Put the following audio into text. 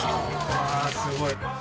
うわすごい。